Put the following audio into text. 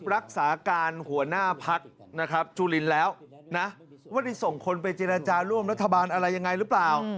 รักษาการหัวหน้าพักนะครับจุลินแล้วนะว่าได้ส่งคนไปเจรจาร่วมรัฐบาลอะไรยังไงหรือเปล่า